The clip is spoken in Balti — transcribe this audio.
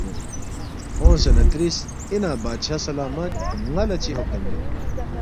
اونگسے نہ ترِس، ”اِنا بادشاہ سلامت ن٘ا لہ چِہ حکم یود